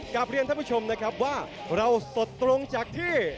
กลับเรียนท่านผู้ชมนะครับว่าเราสดตรงจากที่